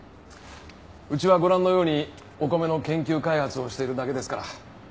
うちはご覧のようにお米の研究開発をしてるだけですから。